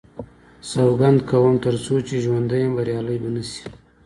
سوګند کوم تر څو چې ژوندی یم بریالی به نه شي.